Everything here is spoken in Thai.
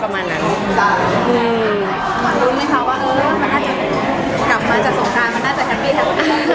กลับมาจากสงการมันน่าจะแฮปปี้ครับ